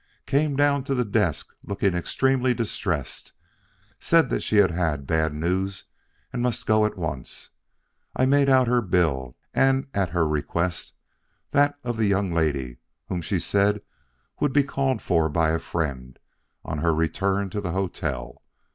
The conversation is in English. Came down to the desk looking extremely distressed, said that she had had bad news and must go at once. I made out her bill and, at her request, that of the young lady, whom she said would be called for by a friend on her return to the hotel.